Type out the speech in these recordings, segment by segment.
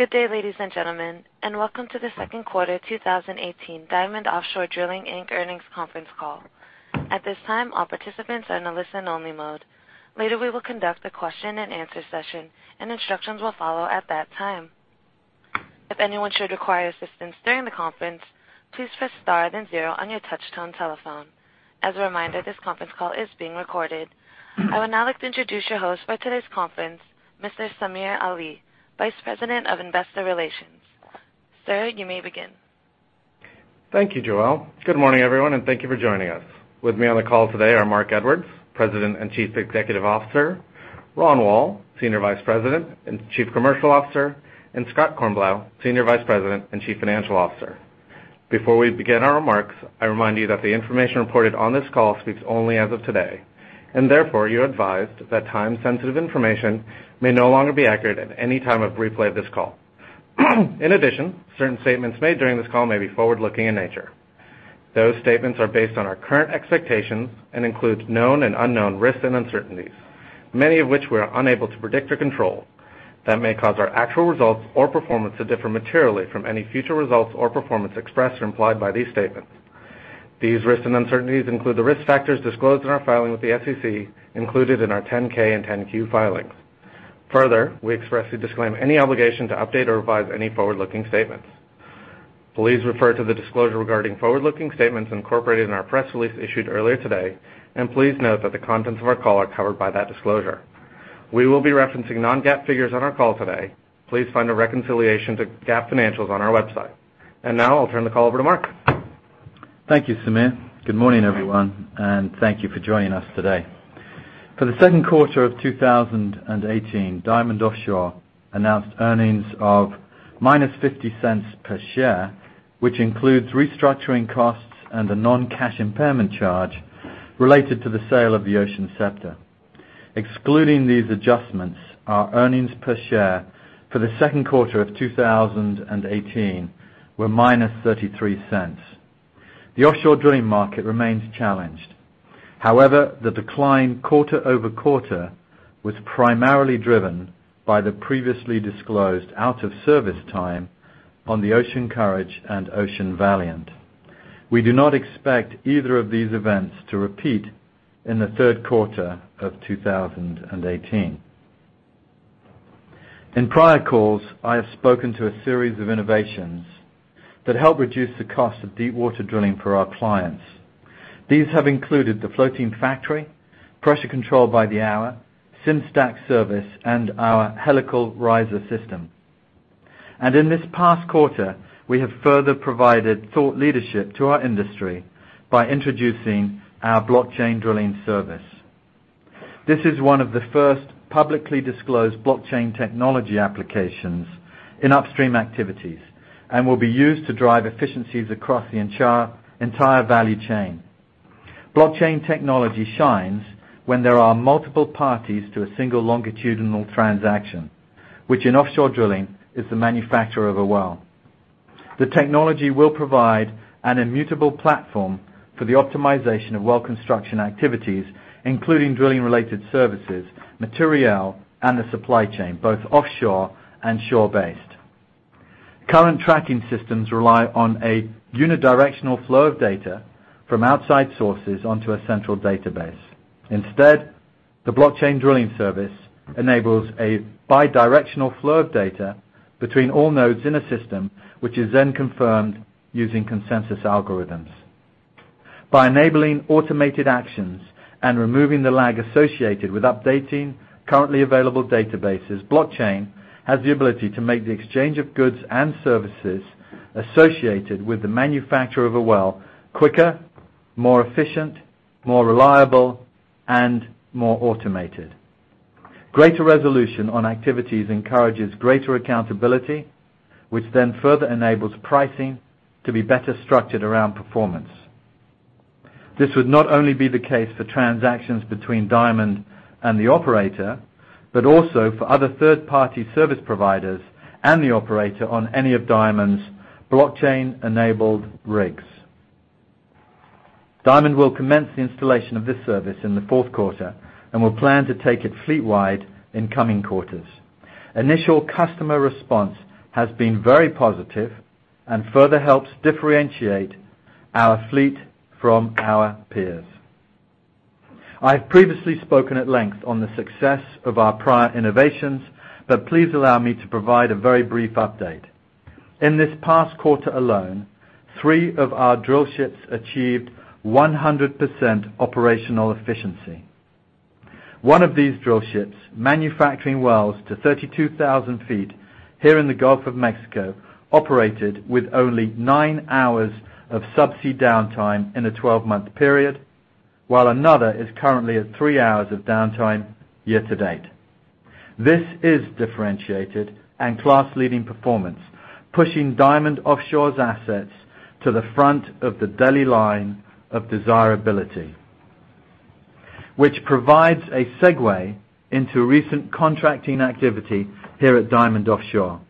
Good day, ladies and gentlemen, and welcome to the second quarter 2018 Diamond Offshore Drilling Inc. earnings conference call. At this time, all participants are in a listen-only mode. Later, we will conduct a question and answer session, and instructions will follow at that time. If anyone should require assistance during the conference, please press star then 0 on your touch-tone telephone. As a reminder, this conference call is being recorded. I would now like to introduce your host for today's conference, Mr. Samir Ali, Vice President of Investor Relations. Sir, you may begin. Thank you, Joelle. Good morning, everyone, and thank you for joining us. With me on the call today are Marc Edwards, President and Chief Executive Officer, Ronald Woll, Senior Vice President and Chief Commercial Officer, and Scott Kornblau, Senior Vice President and Chief Financial Officer. Before we begin our remarks, I remind you that the information reported on this call speaks only as of today, and therefore you're advised that time-sensitive information may no longer be accurate at any time of replay of this call. In addition, certain statements made during this call may be forward-looking in nature. Those statements are based on our current expectations and include known and unknown risks and uncertainties, many of which we are unable to predict or control, that may cause our actual results or performance to differ materially from any future results or performance expressed or implied by these statements. These risks and uncertainties include the risk factors disclosed in our filing with the SEC included in our 10-K and 10-Q filings. Further, we expressly disclaim any obligation to update or revise any forward-looking statements. Please refer to the disclosure regarding forward-looking statements incorporated in our press release issued earlier today, and please note that the contents of our call are covered by that disclosure. We will be referencing non-GAAP figures on our call today. Please find a reconciliation to GAAP financials on our website. Now I'll turn the call over to Marc. Thank you, Samir. Good morning, everyone, and thank you for joining us today. For the second quarter of 2018, Diamond Offshore announced earnings of -$0.50 per share, which includes restructuring costs and a non-cash impairment charge related to the sale of the Ocean Scepter. Excluding these adjustments, our earnings per share for the second quarter of 2018 were -$0.33. The offshore drilling market remains challenged. However, the decline quarter-over-quarter was primarily driven by the previously disclosed out of service time on the Ocean Courage and Ocean Valiant. We do not expect either of these events to repeat in the third quarter of 2018. In prior calls, I have spoken to a series of innovations that help reduce the cost of deepwater drilling for our clients. These have included the Floating Factory, Pressure Control by the Hour, SimStack service, and our helical riser system. In this past quarter, we have further provided thought leadership to our industry by introducing our Blockchain Drilling service. This is one of the first publicly disclosed blockchain technology applications in upstream activities and will be used to drive efficiencies across the entire value chain. Blockchain technology shines when there are multiple parties to a single longitudinal transaction, which in offshore drilling is the manufacture of a well. The technology will provide an immutable platform for the optimization of well construction activities, including drilling-related services, material, and the supply chain, both offshore and shore-based. Current tracking systems rely on a unidirectional flow of data from outside sources onto a central database. Instead, the Blockchain Drilling service enables a bidirectional flow of data between all nodes in a system, which is then confirmed using consensus algorithms. By enabling automated actions and removing the lag associated with updating currently available databases, blockchain has the ability to make the exchange of goods and services associated with the manufacture of a well quicker, more efficient, more reliable, and more automated. Greater resolution on activities encourages greater accountability, which then further enables pricing to be better structured around performance. This would not only be the case for transactions between Diamond and the operator, but also for other third-party service providers and the operator on any of Diamond's blockchain-enabled rigs. Diamond will commence the installation of this service in the fourth quarter and will plan to take it fleet-wide in coming quarters. Initial customer response has been very positive and further helps differentiate our fleet from our peers. I have previously spoken at length on the success of our prior innovations, but please allow me to provide a very brief update. In this past quarter alone, three of our drill ships achieved 100% operational efficiency. One of these drill ships, manufacturing wells to 32,000 feet here in the Gulf of Mexico, operated with only nine hours of subsea downtime in a 12-month period, while another is currently at three hours of downtime year to date. This is differentiated and class-leading performance, pushing Diamond Offshore's assets to the front of the deli line of desirability, which provides a segue into recent contracting activity here at Diamond Offshore.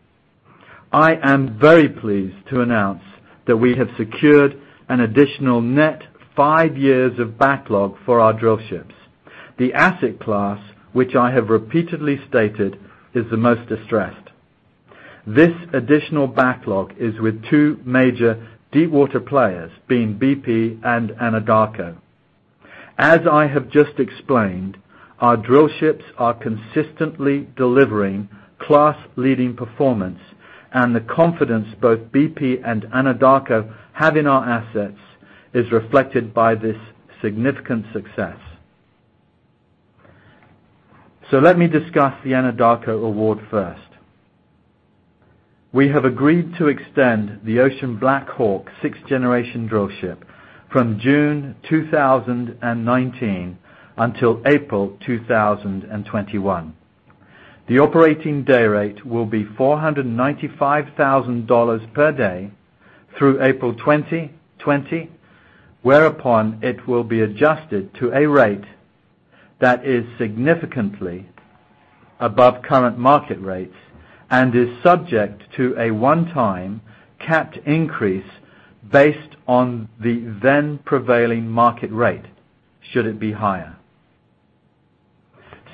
I am very pleased to announce that we have secured an additional net five years of backlog for our drill ships. The asset class, which I have repeatedly stated is the most distressed. This additional backlog is with two major deepwater players, being BP and Anadarko. As I have just explained, our drillships are consistently delivering class-leading performance, and the confidence both BP and Anadarko have in our assets is reflected by this significant success. Let me discuss the Anadarko award first. We have agreed to extend the Ocean BlackHawk sixth-generation drillship from June 2019 until April 2021. The operating day rate will be $495,000 per day through April 2020, whereupon it will be adjusted to a rate that is significantly above current market rates and is subject to a one-time capped increase based on the then prevailing market rate should it be higher.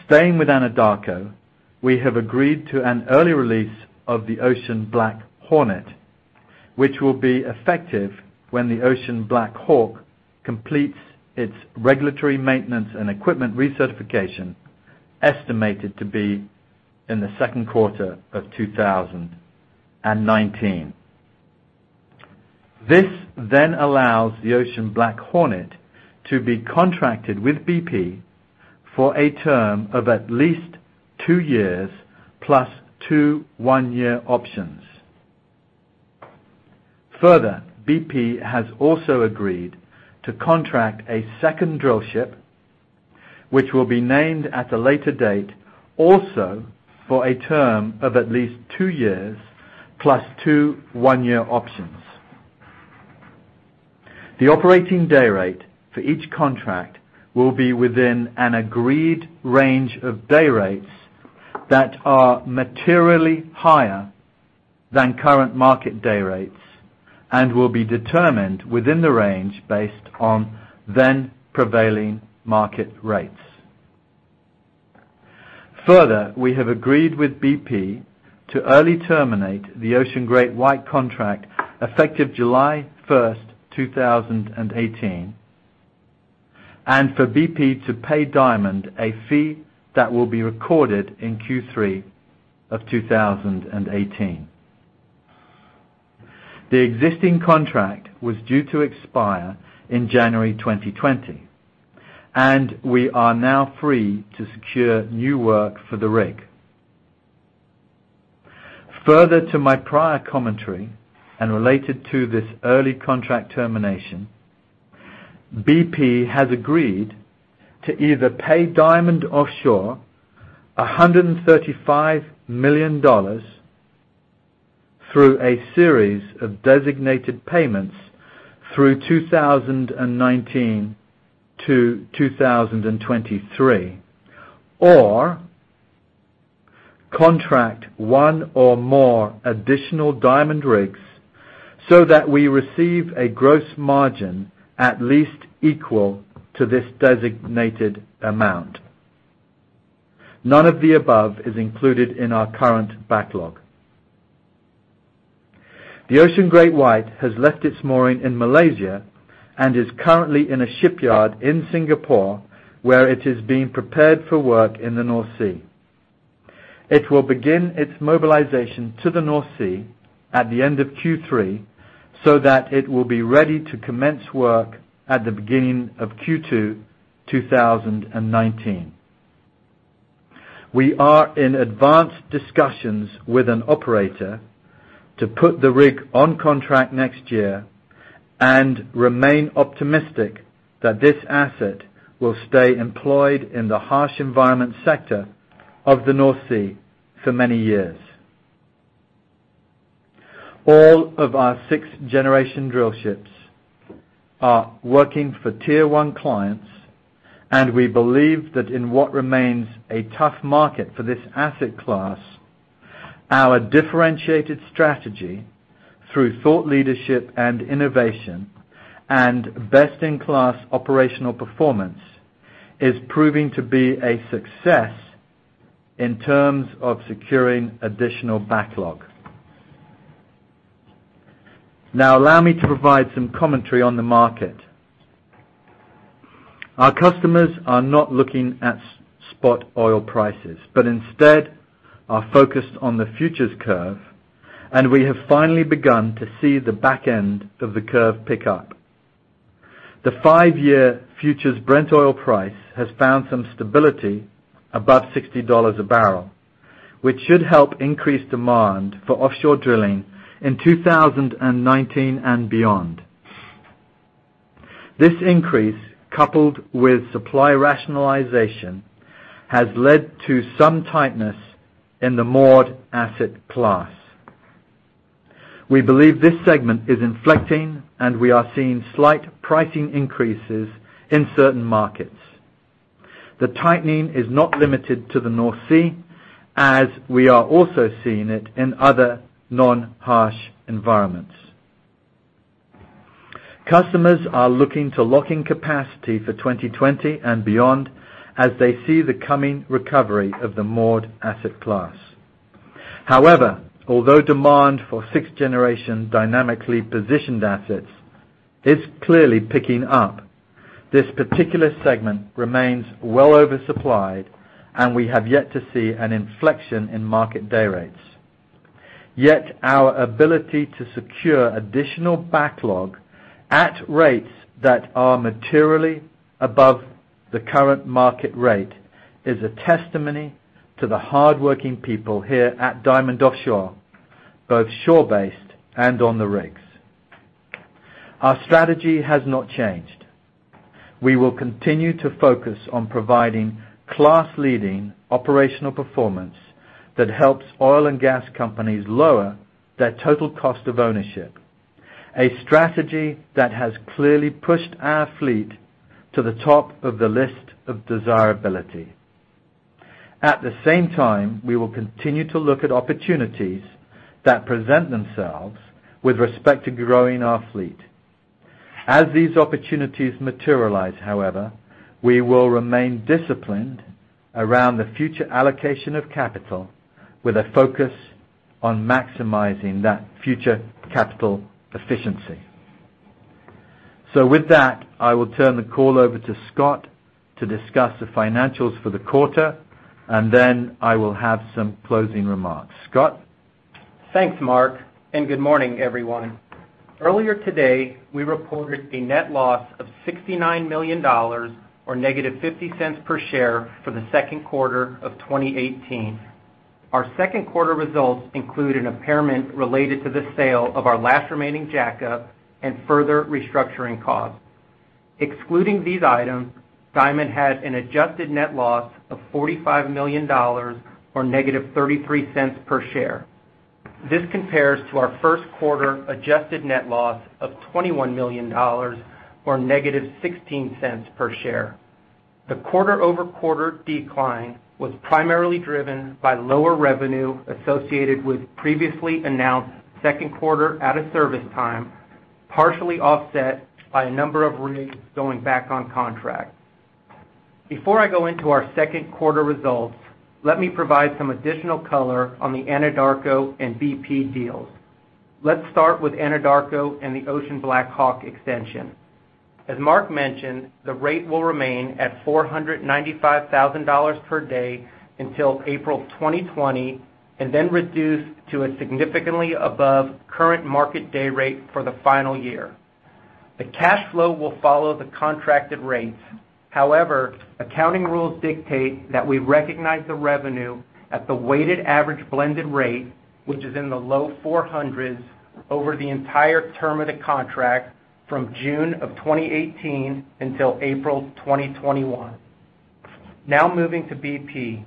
Staying with Anadarko, we have agreed to an early release of the Ocean BlackHornet, which will be effective when the Ocean BlackHawk completes its regulatory maintenance and equipment recertification, estimated to be in the second quarter of 2019. This allows the Ocean BlackHornet to be contracted with BP for a term of at least 2 years plus 2 one-year options. BP has also agreed to contract a second drillship, which will be named at a later date, also for a term of at least 2 years, plus 2 one-year options. The operating day rate for each contract will be within an agreed range of day rates that are materially higher than current market day rates and will be determined within the range based on then prevailing market rates. We have agreed with BP to early terminate the Ocean GreatWhite contract effective July 1st, 2018, and for BP to pay Diamond a fee that will be recorded in Q3 2018. The existing contract was due to expire in January 2020, and we are now free to secure new work for the rig. To my prior commentary and related to this early contract termination, BP has agreed to either pay Diamond Offshore $135 million through a series of designated payments through 2019 to 2023, or contract one or more additional Diamond rigs so that we receive a gross margin at least equal to this designated amount. None of the above is included in our current backlog. The Ocean GreatWhite has left its mooring in Malaysia and is currently in a shipyard in Singapore, where it is being prepared for work in the North Sea. It will begin its mobilization to the North Sea at the end of Q3 so that it will be ready to commence work at the beginning of Q2 2019. We are in advanced discussions with an operator to put the rig on contract next year and remain optimistic that this asset will stay employed in the harsh environment sector of the North Sea for many years. All of our 6th-generation drillships are working for tier 1 clients, and we believe that in what remains a tough market for this asset class, our differentiated strategy through thought leadership and innovation and best-in-class operational performance is proving to be a success in terms of securing additional backlog. Allow me to provide some commentary on the market. Our customers are not looking at spot oil prices, but instead are focused on the futures curve, and we have finally begun to see the back end of the curve pick up. The 5-year futures Brent oil price has found some stability above $60 a barrel, which should help increase demand for offshore drilling in 2019 and beyond. This increase, coupled with supply rationalization, has led to some tightness in the moored asset class. We believe this segment is inflecting, and we are seeing slight pricing increases in certain markets. The tightening is not limited to the North Sea as we are also seeing it in other non-harsh environments. Customers are looking to lock in capacity for 2020 and beyond as they see the coming recovery of the moored asset class. However, although demand for 6th-generation dynamically positioned assets is clearly picking up, this particular segment remains well oversupplied, and we have yet to see an inflection in market day rates. Our ability to secure additional backlog at rates that are materially above the current market rate is a testimony to the hardworking people here at Diamond Offshore, both shore-based and on the rigs. Our strategy has not changed. We will continue to focus on providing class-leading operational performance that helps oil and gas companies lower their total cost of ownership, a strategy that has clearly pushed our fleet to the top of the list of desirability. At the same time, we will continue to look at opportunities that present themselves with respect to growing our fleet. As these opportunities materialize, however, we will remain disciplined around the future allocation of capital with a focus on maximizing that future capital efficiency. With that, I will turn the call over to Scott to discuss the financials for the quarter, and then I will have some closing remarks. Scott? Thanks, Marc, and good morning, everyone. Earlier today, we reported a net loss of $69 million, or negative $0.50 per share for the second quarter of 2018. Our second quarter results include an impairment related to the sale of our last remaining jackup and further restructuring costs. Excluding these items, Diamond had an adjusted net loss of $45 million, or negative $0.33 per share. This compares to our first quarter-adjusted net loss of $21 million, or negative $0.16 per share. The quarter-over-quarter decline was primarily driven by lower revenue associated with previously announced second quarter out-of-service time, partially offset by a number of rigs going back on contract. Before I go into our second quarter results, let me provide some additional color on the Anadarko and BP deals. Let's start with Anadarko and the Ocean BlackHawk extension. As Marc mentioned, the rate will remain at $495,000 per day until April 2020 and then reduced to a significantly above current market day rate for the final year. The cash flow will follow the contracted rates. However, accounting rules dictate that we recognize the revenue at the weighted average blended rate, which is in the low 400s, over the entire term of the contract from June of 2018 until April 2021. Moving to BP.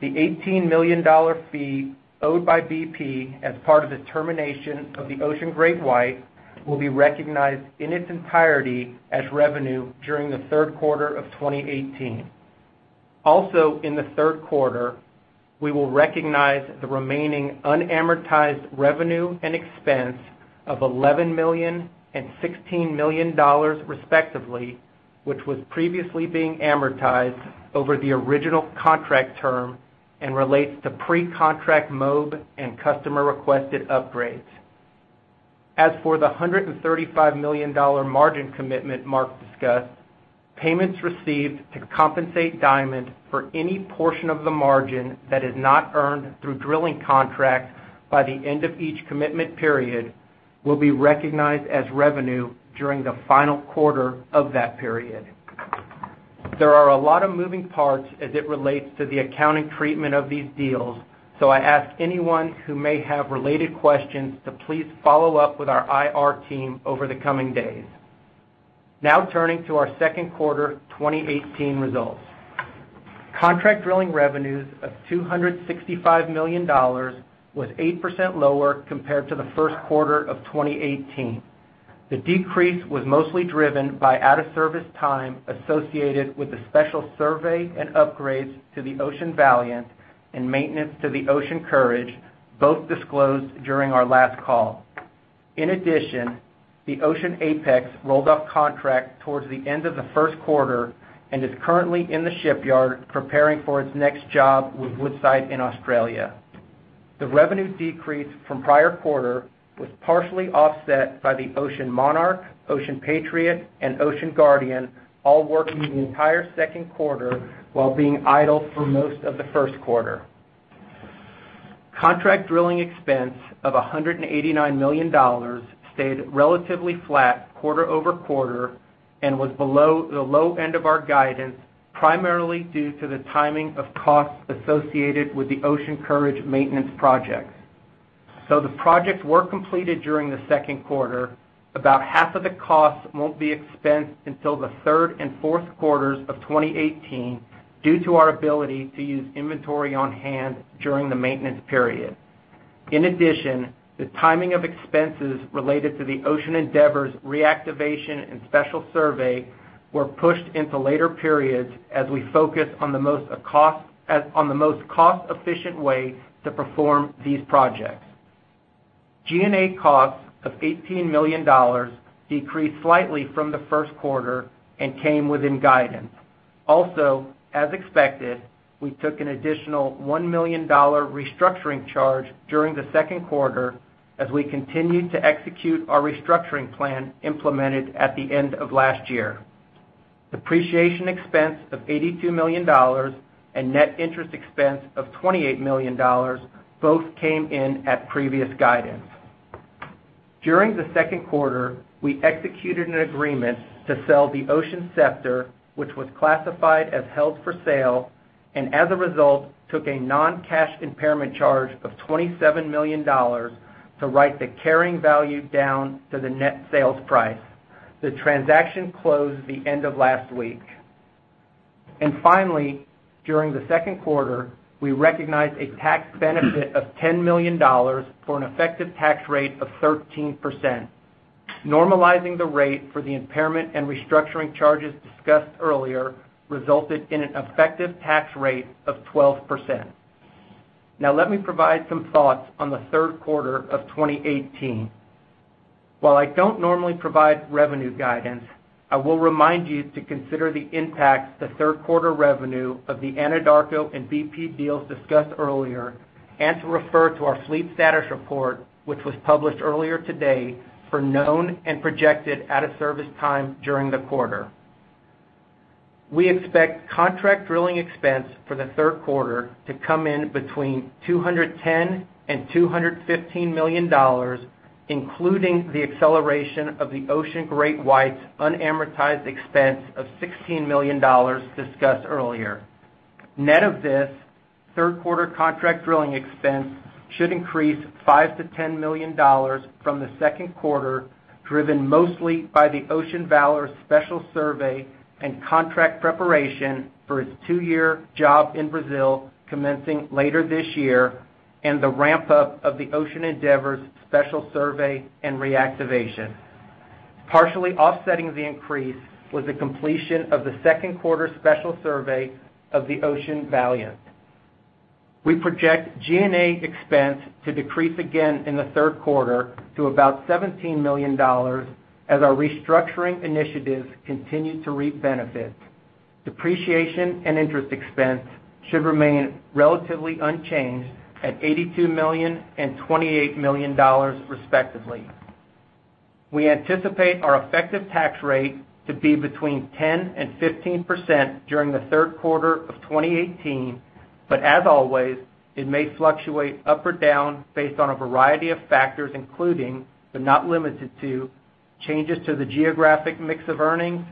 The $18 million fee owed by BP as part of the termination of the Ocean GreatWhite will be recognized in its entirety as revenue during the third quarter of 2018. Also, in the third quarter, we will recognize the remaining unamortized revenue and expense of $11 million and $16 million, respectively, which was previously being amortized over the original contract term and relates to pre-contract mobe and customer-requested upgrades. As for the $135 million margin commitment Marc discussed, payments received to compensate Diamond for any portion of the margin that is not earned through drilling contracts by the end of each commitment period will be recognized as revenue during the final quarter of that period. There are a lot of moving parts as it relates to the accounting treatment of these deals, I ask anyone who may have related questions to please follow up with our IR team over the coming days. Turning to our second quarter 2018 results. Contract drilling revenues of $265 million was 8% lower compared to the first quarter of 2018. The decrease was mostly driven by out-of-service time associated with the special survey and upgrades to the Ocean Valiant and maintenance to the Ocean Courage, both disclosed during our last call. In addition, the Ocean Apex rolled off contract towards the end of the first quarter and is currently in the shipyard preparing for its next job with Woodside in Australia. The revenue decrease from prior quarter was partially offset by the Ocean Monarch, Ocean Patriot, and Ocean Guardian all working the entire second quarter while being idle for most of the first quarter. Contract drilling expense of $189 million stayed relatively flat quarter-over-quarter and was below the low end of our guidance, primarily due to the timing of costs associated with the Ocean Courage maintenance project. The projects were completed during the second quarter. About half of the cost won't be expensed until the third and fourth quarters of 2018 due to our ability to use inventory on hand during the maintenance period. In addition, the timing of expenses related to the Ocean Endeavor's reactivation and special survey were pushed into later periods as we focus on the most cost-efficient way to perform these projects. G&A costs of $18 million decreased slightly from the first quarter and came within guidance. Also, as expected, we took an additional $1 million restructuring charge during the second quarter as we continued to execute our restructuring plan implemented at the end of last year. Depreciation expense of $82 million and net interest expense of $28 million both came in at previous guidance. During the second quarter, we executed an agreement to sell the Ocean Scepter, which was classified as held for sale, and as a result, took a non-cash impairment charge of $27 million to write the carrying value down to the net sales price. The transaction closed the end of last week. Finally, during the second quarter, we recognized a tax benefit of $10 million for an effective tax rate of 13%. Normalizing the rate for the impairment and restructuring charges discussed earlier resulted in an effective tax rate of 12%. Now let me provide some thoughts on the third quarter of 2018. While I don't normally provide revenue guidance, I will remind you to consider the impacts to third-quarter revenue of the Anadarko and BP deals discussed earlier, and to refer to our fleet status report, which was published earlier today, for known and projected out-of-service time during the quarter. We expect contract drilling expense for the third quarter to come in between $210 million and $215 million, including the acceleration of the Ocean GreatWhite's unamortized expense of $16 million discussed earlier. Net of this, third-quarter contract drilling expense should increase $5 million to $10 million from the second quarter, driven mostly by the Ocean Valor special survey and contract preparation for its two-year job in Brazil commencing later this year, and the ramp-up of the Ocean Endeavor's special survey and reactivation. Partially offsetting the increase was the completion of the second quarter special survey of the Ocean Valiant. We project G&A expense to decrease again in the third quarter to about $17 million as our restructuring initiatives continue to reap benefits. Depreciation and interest expense should remain relatively unchanged at $82 million and $28 million respectively. We anticipate our effective tax rate to be between 10% and 15% during the third quarter of 2018. As always, it may fluctuate up or down based on a variety of factors, including, but not limited to, changes to the geographic mix of earnings,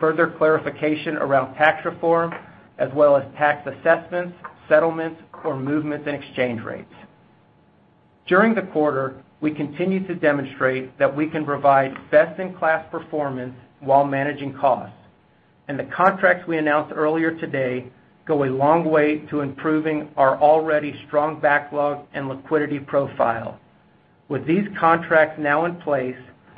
further clarification around tax reform, as well as tax assessments, settlements, or movements in exchange rates. During the quarter, we continued to demonstrate that we can provide best-in-class performance while managing costs. The contracts we announced earlier today go a long way to improving our already strong backlog and liquidity profile. With these contracts now in place,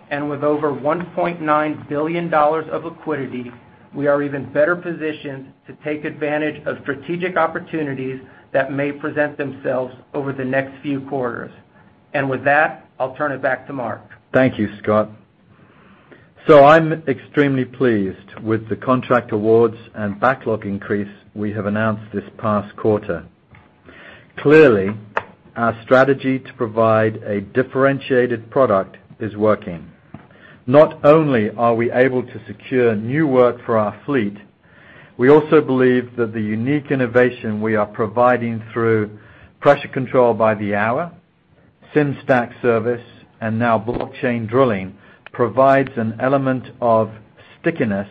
and with over $1.9 billion of liquidity, we are even better positioned to take advantage of strategic opportunities that may present themselves over the next few quarters. With that, I'll turn it back to Marc. Thank you, Scott. I'm extremely pleased with the contract awards and backlog increase we have announced this past quarter. Clearly, our strategy to provide a differentiated product is working. Not only are we able to secure new work for our fleet, we also believe that the unique innovation we are providing through Pressure Control by the Hour, SimStack service, and now Blockchain Drilling service, provides an element of stickiness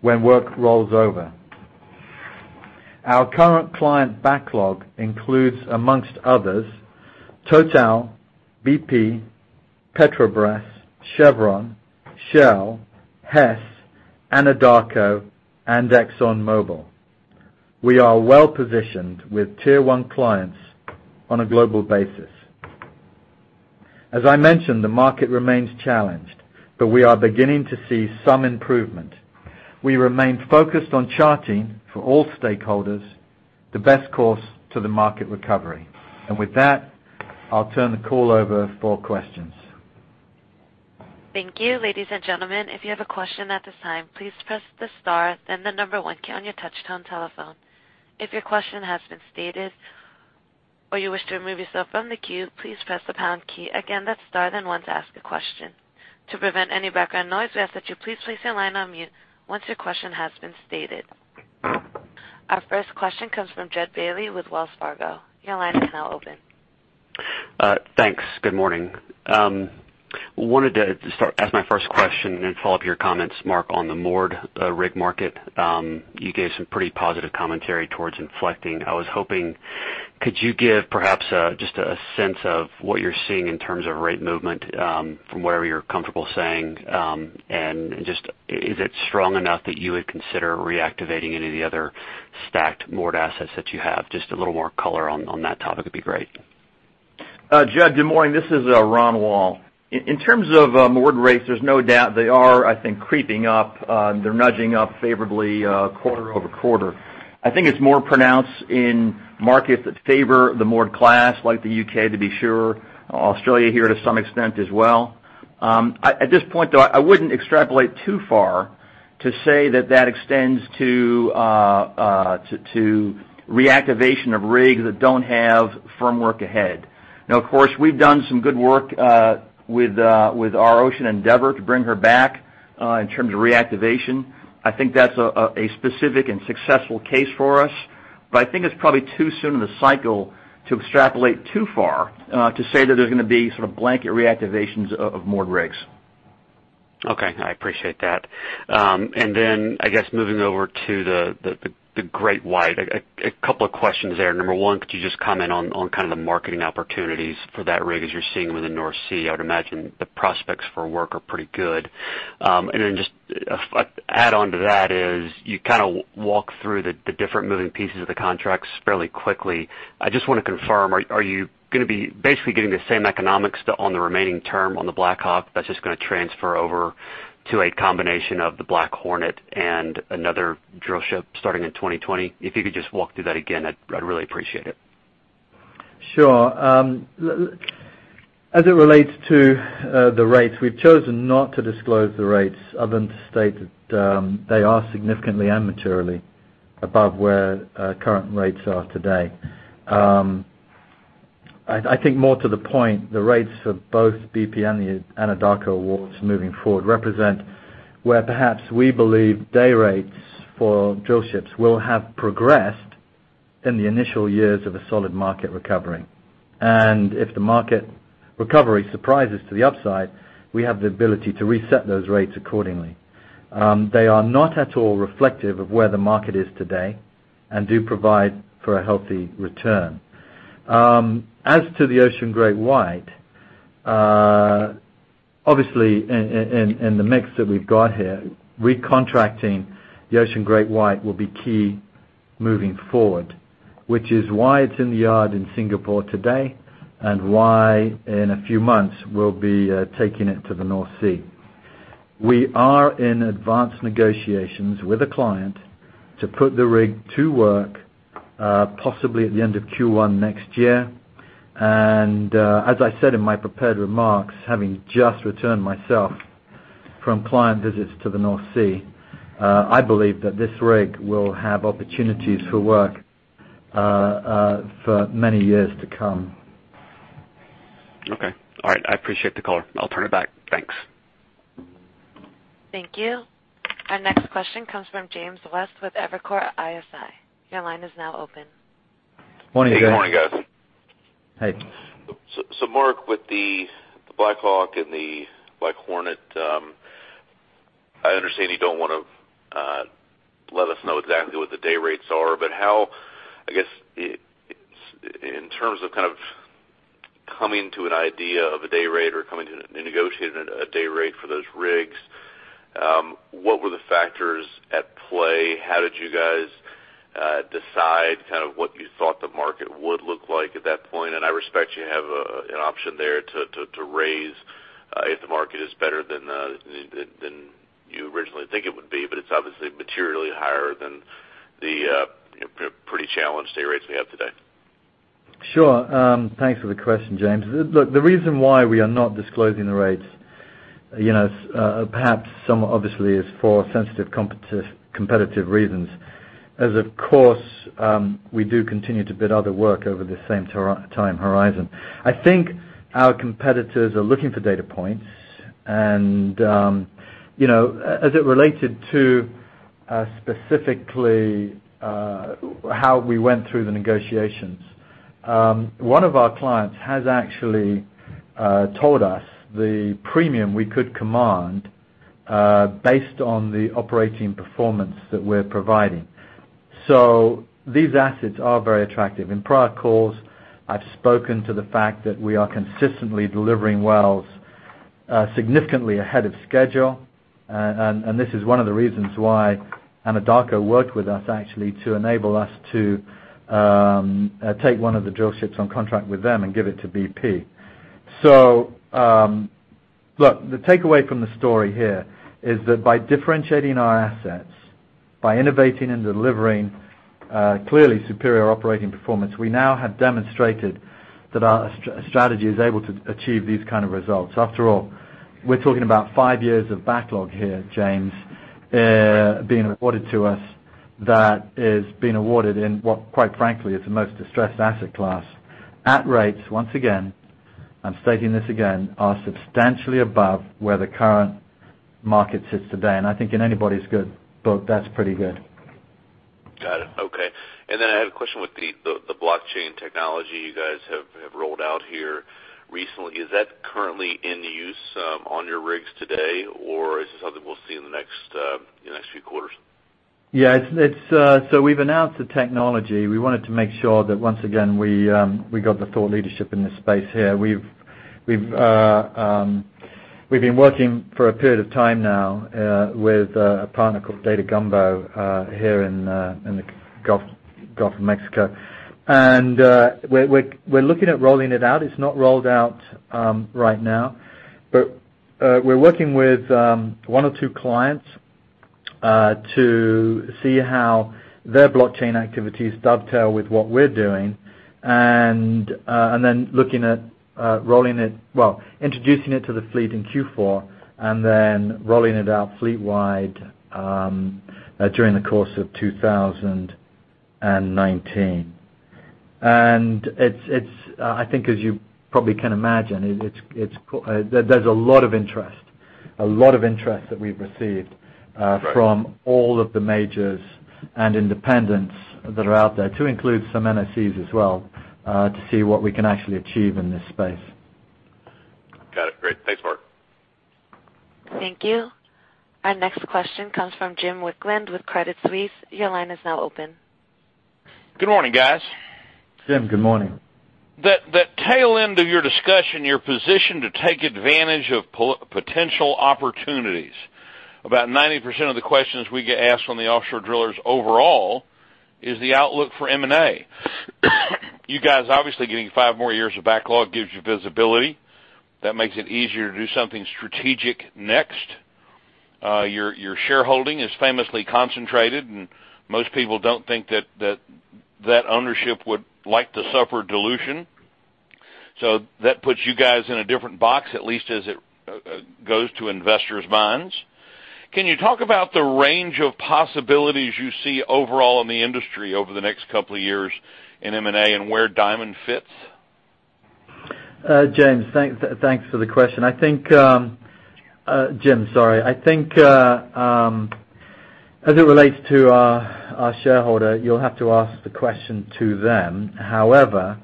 when work rolls over. Our current client backlog includes, amongst others, Total, BP, Petrobras, Chevron, Shell, Hess, Anadarko, and ExxonMobil. We are well-positioned with tier 1 clients on a global basis. As I mentioned, the market remains challenged. We are beginning to see some improvement. We remain focused on charting, for all stakeholders, the best course to the market recovery. With that, I'll turn the call over for questions. Thank you. Ladies and gentlemen, if you have a question at this time, please press the star then the number 1 key on your touch-tone telephone. If your question has been stated, or you wish to remove yourself from the queue, please press the pound key. Again, that's star then one to ask a question. To prevent any background noise, we ask that you please place your line on mute once your question has been stated. Our first question comes from Jud Bailey with Wells Fargo. Your line is now open. Thanks. Good morning. I wanted to start, as my first question. Then follow up your comments, Marc, on the moored rig market. You gave some pretty positive commentary towards inflecting. I was hoping, could you give perhaps just a sense of what you're seeing in terms of rate movement from whatever you're comfortable saying? Is it strong enough that you would consider reactivating any of the other stacked moored assets that you have? Just a little more color on that topic would be great. Jud, good morning. This is Ron Woll. In terms of moored rates, there's no doubt they are, I think, creeping up. They're nudging up favorably quarter-over-quarter. I think it's more pronounced in markets that favor the moored class, like the U.K., to be sure. Australia here to some extent as well. At this point, though, I wouldn't extrapolate too far to say that extends to reactivation of rigs that don't have firm work ahead. Now, of course, we've done some good work with our Ocean Endeavor to bring her back, in terms of reactivation. I think that's a specific and successful case for us. I think it's probably too soon in the cycle to extrapolate too far to say that there's going to be sort of blanket reactivations of moored rigs. Okay. I appreciate that. I guess moving over to the GreatWhite, a couple of questions there. Number 1, could you just comment on the marketing opportunities for that rig as you're seeing them in the North Sea? I would imagine the prospects for work are pretty good. Just add onto that is, you walked through the different moving pieces of the contracts fairly quickly. I just want to confirm, are you going to be basically getting the same economics on the remaining term on the BlackHawk, that's just going to transfer over to a combination of the BlackHornet and another drill ship starting in 2020? If you could just walk through that again, I'd really appreciate it. Sure. As it relates to the rates, we've chosen not to disclose the rates other than to state that they are significantly and materially above where current rates are today. I think more to the point, the rates for both BP and the Anadarko awards moving forward represent where perhaps we believe day rates for drill ships will have progressed in the initial years of a solid market recovery. If the market recovery surprises to the upside, we have the ability to reset those rates accordingly. They are not at all reflective of where the market is today and do provide for a healthy return. As to the Ocean GreatWhite, obviously in the mix that we've got here, recontracting the Ocean GreatWhite will be key moving forward, which is why it's in the yard in Singapore today, and why in a few months, we'll be taking it to the North Sea. We are in advanced negotiations with a client to put the rig to work, possibly at the end of Q1 next year. As I said in my prepared remarks, having just returned myself from client visits to the North Sea, I believe that this rig will have opportunities for work for many years to come. Okay. All right. I appreciate the call. I'll turn it back. Thanks. Thank you. Our next question comes from James West with Evercore ISI. Your line is now open. Morning, James. Good morning, guys. Hey. Marc, with the Ocean BlackHawk and the Ocean BlackHornet, I understand you don't want to let us know exactly what the day rates are, how, I guess, in terms of coming to an idea of a day rate or coming to negotiating a day rate for those rigs, what were the factors at play? How did you guys decide what you thought the market would look like at that point? I respect you have an option there to raise, if the market is better than you originally think it would be, it's obviously materially higher than the pretty challenged day rates we have today. Sure. Thanks for the question, James. The reason why we are not disclosing the rates, perhaps somewhat obviously is for sensitive competitive reasons. Of course, we do continue to bid other work over the same time horizon. I think our competitors are looking for data points, as it related to specifically how we went through the negotiations, one of our clients has actually told us the premium we could command based on the operating performance that we're providing. These assets are very attractive. In prior calls, I've spoken to the fact that we are consistently delivering wells significantly ahead of schedule. This is one of the reasons why Anadarko worked with us actually to enable us to take one of the drillships on contract with them and give it to BP. The takeaway from the story here is that by differentiating our assets, by innovating and delivering clearly superior operating performance, we now have demonstrated that our strategy is able to achieve these kind of results. After all, we're talking about five years of backlog here, James, being awarded to us, that is being awarded in what, quite frankly, is the most distressed asset class, at rates, once again, I'm stating this again, are substantially above where the current market sits today. I think in anybody's good book, that's pretty good. Got it. Okay. I had a question with the Blockchain technology you guys have rolled out here recently. Is that currently in use on your rigs today, or is this something we'll see in the next few quarters? We've announced the technology. We wanted to make sure that once again, we got the thought leadership in this space here. We've been working for a period of time now with a partner called Data Gumbo here in the Gulf of Mexico. We're looking at rolling it out. It's not rolled out right now, but we're working with one or two clients to see how their blockchain activities dovetail with what we're doing, and then introducing it to the fleet in Q4, and then rolling it out fleet-wide during the course of 2019. I think as you probably can imagine, there's a lot of interest that we've received- Right from all of the majors and independents that are out there, to include some NOCs as well, to see what we can actually achieve in this space. Got it. Great. Thanks, Marc. Thank you. Our next question comes from Jim Wicklund with Credit Suisse. Your line is now open. Good morning, guys. Jim, good morning. The tail end of your discussion, your position to take advantage of potential opportunities. About 90% of the questions we get asked on the offshore drillers overall is the outlook for M&A. You guys obviously getting five more years of backlog gives you visibility. That makes it easier to do something strategic next. Your shareholding is famously concentrated, and most people don't think that that ownership would like to suffer dilution. That puts you guys in a different box, at least as it goes to investors' minds. Can you talk about the range of possibilities you see overall in the industry over the next couple of years in M&A and where Diamond fits? James, thanks for the question. Jim, sorry. I think as it relates to our shareholder, you'll have to ask the question to them. However,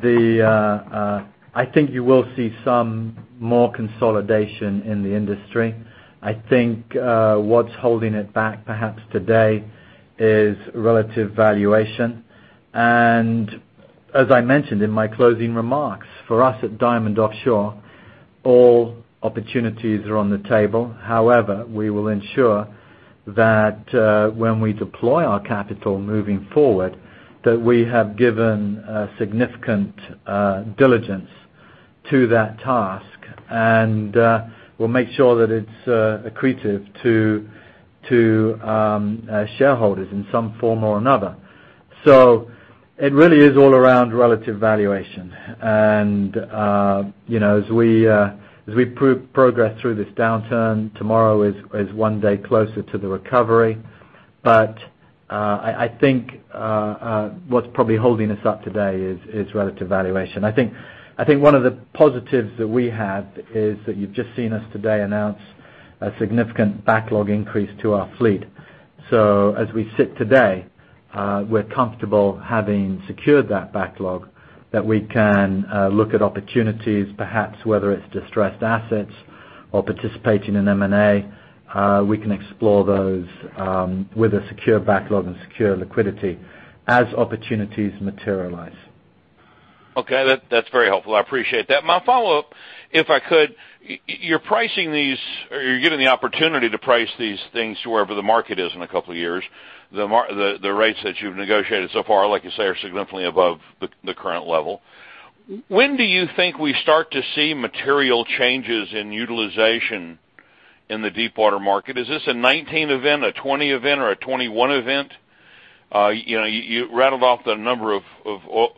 I think you will see some more consolidation in the industry. I think what's holding it back perhaps today is relative valuation. As I mentioned in my closing remarks, for us at Diamond Offshore, all opportunities are on the table. However, we will ensure that when we deploy our capital moving forward, that we have given significant diligence to that task, and we'll make sure that it's accretive to shareholders in some form or another. It really is all around relative valuation. As we progress through this downturn, tomorrow is one day closer to the recovery. I think what's probably holding us up today is relative valuation. I think one of the positives that we have is that you've just seen us today announce a significant backlog increase to our fleet. As we sit today, we're comfortable having secured that backlog that we can look at opportunities, perhaps whether it's distressed assets or participating in M&A. We can explore those with a secure backlog and secure liquidity as opportunities materialize. Okay. That's very helpful. I appreciate that. My follow-up, if I could, you're given the opportunity to price these things to wherever the market is in a couple of years. The rates that you've negotiated so far, like you say, are significantly above the current level. When do you think we start to see material changes in utilization in the deepwater market? Is this a 2019 event, a 2020 event, or a 2021 event? You rattled off the number of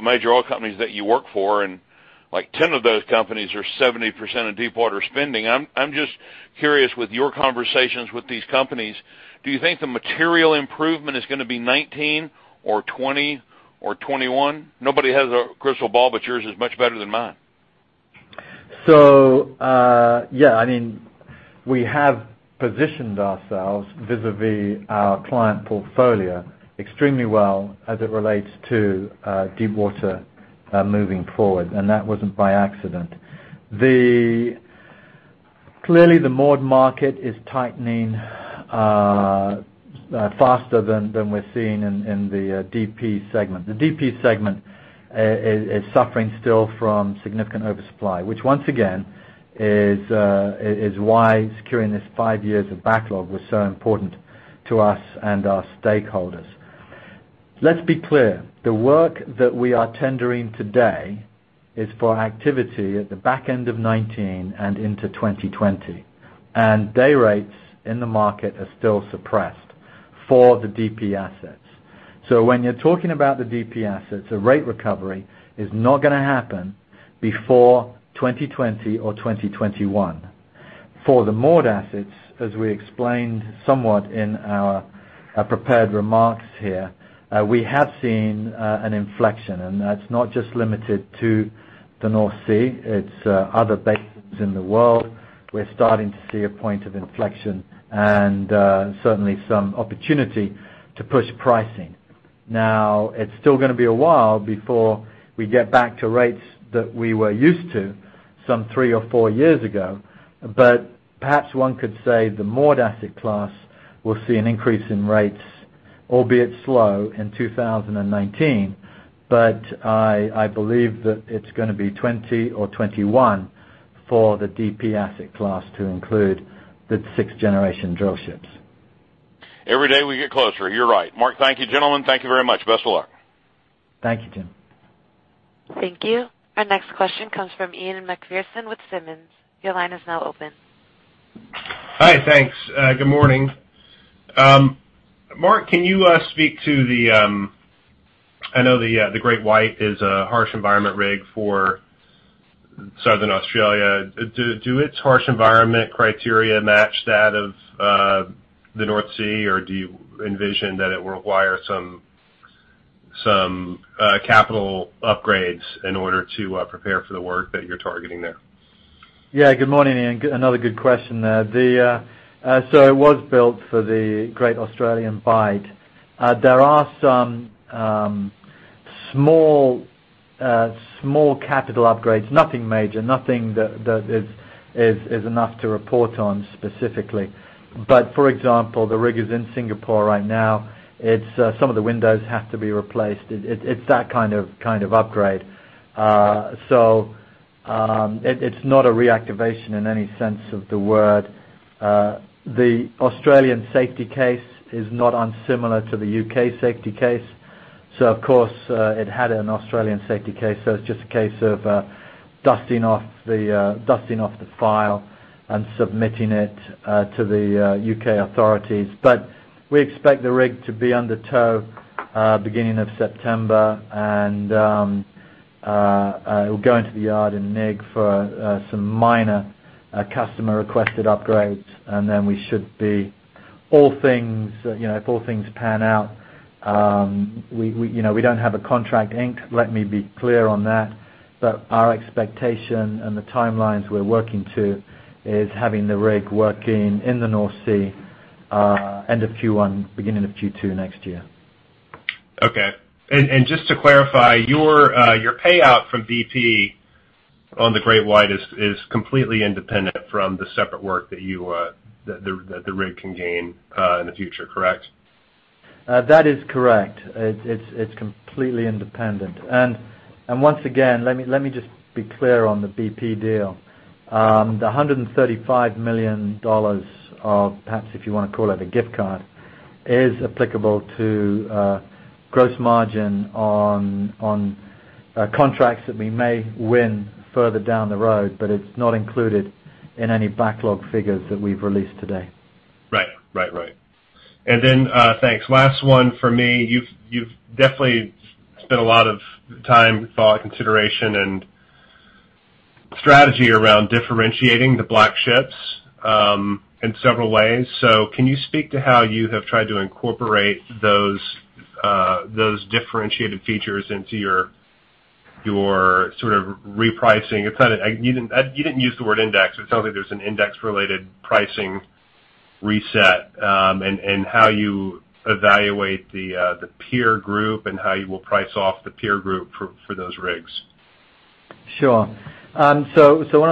major oil companies that you work for, and 10 of those companies are 70% of deepwater spending. I'm just curious with your conversations with these companies, do you think the material improvement is going to be 2019 or 2020 or 2021? Nobody has a crystal ball, but yours is much better than mine. Yeah, we have positioned ourselves vis-a-vis our client portfolio extremely well as it relates to deepwater moving forward, and that wasn't by accident. Clearly, the moored market is tightening faster than we're seeing in the DP segment. The DP segment is suffering still from significant oversupply, which once again is why securing this five years of backlog was so important to us and our stakeholders. Let's be clear. The work that we are tendering today is for activity at the back end of 2019 and into 2020, and day rates in the market are still suppressed for the DP assets. When you're talking about the DP assets, a rate recovery is not going to happen before 2020 or 2021. For the moored assets, as we explained somewhat in our prepared remarks here, we have seen an inflection, and that's not just limited to the North Sea, it's other basins in the world. We're starting to see a point of inflection and certainly some opportunity to push pricing. Now, it's still going to be a while before we get back to rates that we were used to some three or four years ago, but perhaps one could say the moored asset class will see an increase in rates Albeit slow in 2019. I believe that it's going to be 2020 or 2021 for the DP asset class to include the 6th-generation drillships. Every day we get closer, you're right. Marc, thank you, gentlemen. Thank you very much. Best of luck. Thank you, Jim. Thank you. Our next question comes from Ian Macpherson with Simmons. Your line is now open. Hi, thanks. Good morning. Marc, can you speak to I know the GreatWhite is a harsh environment rig for Southern Australia. Do its harsh environment criteria match that of the North Sea, or do you envision that it will require some capital upgrades in order to prepare for the work that you're targeting there? Yeah. Good morning, Ian. Another good question there. It was built for the Great Australian Bight. There are some small capital upgrades, nothing major, nothing that is enough to report on specifically. For example, the rig is in Singapore right now. Some of the windows have to be replaced. It's that kind of upgrade. It's not a reactivation in any sense of the word. The Australian safety case is not unsimilar to the U.K. safety case. Of course, it had an Australian safety case, so it's just a case of dusting off the file and submitting it to the U.K. authorities. We expect the rig to be under tow, beginning of September. It will go into the yard in Nigg for some minor customer-requested upgrades. We should be, if all things pan out, we don't have a contract inked, let me be clear on that. Our expectation and the timelines we're working to, is having the rig working in the North Sea, end of Q1, beginning of Q2 next year. Okay. Just to clarify, your payout from BP on the GreatWhite is completely independent from the separate work that the rig can gain, in the future, correct? That is correct. It's completely independent. Once again, let me just be clear on the BP deal. The $135 million of, perhaps if you want to call it a gift card, is applicable to gross margin on contracts that we may win further down the road. It's not included in any backlog figures that we've released today. Right. Thanks. Last one for me. You've definitely spent a lot of time, thought, consideration, and strategy around differentiating the BlackShips, in several ways. Can you speak to how you have tried to incorporate those differentiated features into your sort of repricing? You didn't use the word index. It sounds like there's an index-related pricing reset, and how you evaluate the peer group and how you will price off the peer group for those rigs. Sure. One of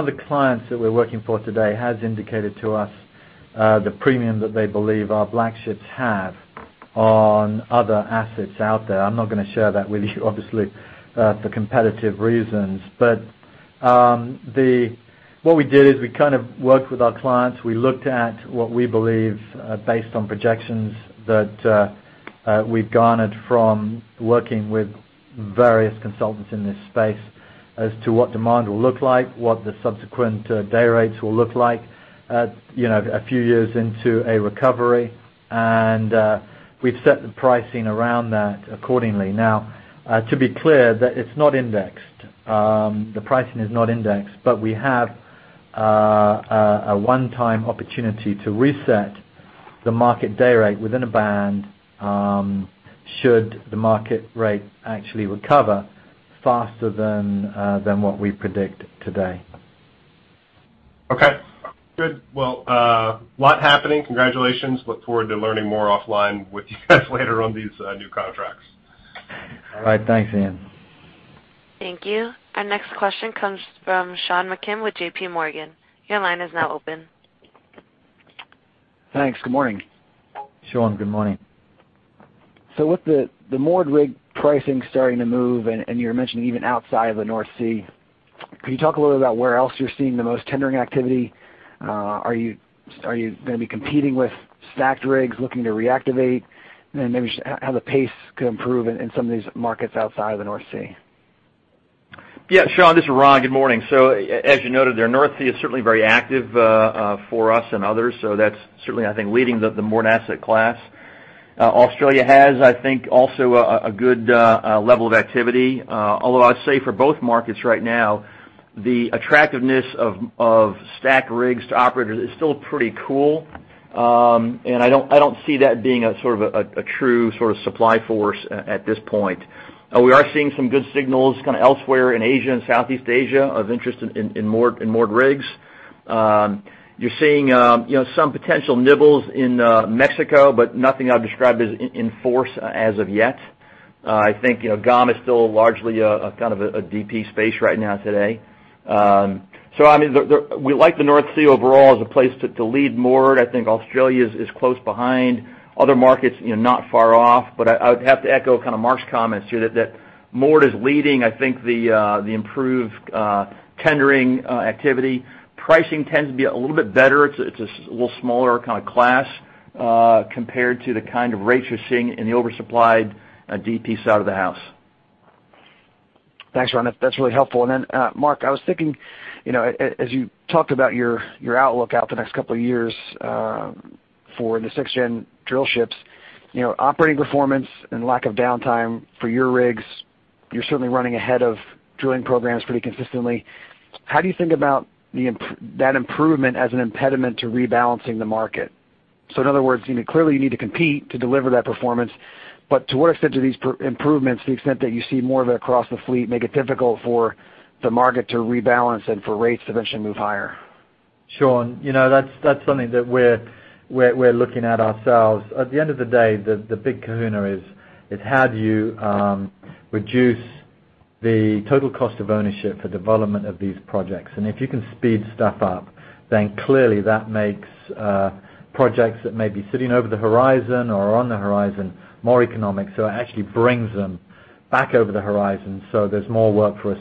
the clients that we're working for today has indicated to us, the premium that they believe our BlackShips have on other assets out there. I'm not going to share that with you, obviously, for competitive reasons. What we did is we kind of worked with our clients. We looked at what we believe, based on projections that we've garnered from working with various consultants in this space as to what demand will look like, what the subsequent day rates will look like a few years into a recovery. We've set the pricing around that accordingly. Now, to be clear, it's not indexed. The pricing is not indexed. We have a one-time opportunity to reset the market day rate within a band, should the market rate actually recover faster than what we predict today. Okay, good. A lot happening. Congratulations. Look forward to learning more offline with you guys later on these new contracts. All right. Thanks, Ian. Thank you. Our next question comes from Sean Meakim with J.P. Morgan. Your line is now open. Thanks. Good morning. Sean, good morning. With the moored rig pricing starting to move, and you're mentioning even outside of the North Sea, could you talk a little bit about where else you're seeing the most tendering activity? Are you going to be competing with stacked rigs looking to reactivate? Then maybe just how the pace could improve in some of these markets outside of the North Sea. Sean, this is Ron. Good morning. As you noted there, North Sea is certainly very active for us and others. That's certainly, I think, leading the moored asset class. Australia has, I think, also a good level of activity. Although I'd say for both markets right now, the attractiveness of stacked rigs to operators is still pretty cool. I don't see that being a true sort of supply force at this point. We are seeing some good signals kind of elsewhere in Asia and Southeast Asia of interest in moored rigs. You're seeing some potential nibbles in Mexico, but nothing I'd describe as in force as of yet. I think GOM is still largely a kind of a DP space right now today. We like the North Sea overall as a place to lead moored. I think Australia is close behind. Other markets, not far off. I would have to echo Marc's comments here that moored is leading, I think, the improved tendering activity. Pricing tends to be a little better. It's a little smaller class compared to the kind of rates you're seeing in the oversupplied DP side of the house. Thanks, Ron. That's really helpful. Marc, I was thinking, as you talked about your outlook out the next couple of years for the sixth-gen drillships, operating performance and lack of downtime for your rigs, you're certainly running ahead of drilling programs pretty consistently. How do you think about that improvement as an impediment to rebalancing the market? In other words, clearly you need to compete to deliver that performance, but to what extent do these improvements, to the extent that you see more of it across the fleet, make it difficult for the market to rebalance and for rates to eventually move higher? Sean, that's something that we're looking at ourselves. At the end of the day, the big kahuna is how do you reduce the total cost of ownership for development of these projects? If you can speed stuff up, then clearly that makes projects that may be sitting over the horizon or on the horizon more economic, so it actually brings them back over the horizon so there's more work for us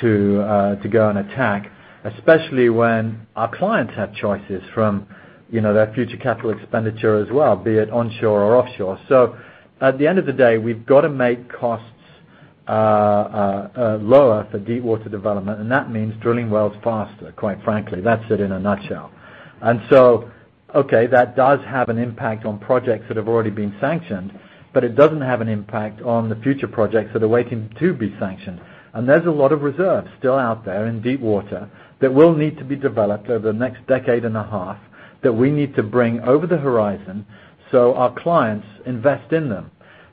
to go and attack, especially when our clients have choices from their future capital expenditure as well, be it onshore or offshore. At the end of the day, we've got to make costs lower for deep water development, and that means drilling wells faster, quite frankly. That's it in a nutshell. Okay, that does have an impact on projects that have already been sanctioned, it doesn't have an impact on the future projects that are waiting to be sanctioned. There's a lot of reserves still out there in deep water that will need to be developed over the next decade and a half that we need to bring over the horizon so our clients invest in them.